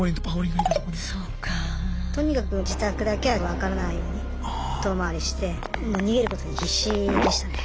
とにかく自宅だけは分からないように遠回りしてもう逃げることに必死でしたね。